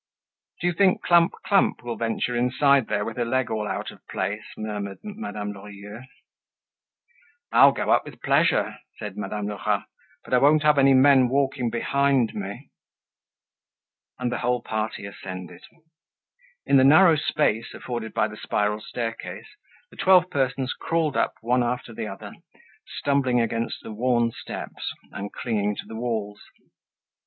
"Do you think Clump clump will venture inside there with her leg all out of place?" murmured Madame Lorilleux. "I'll go up with pleasure," said Madame Lerat, "but I won't have any men walking behind me." And the whole party ascended. In the narrow space afforded by the spiral staircase, the twelve persons crawled up one after the other, stumbling against the worn steps, and clinging to the walls.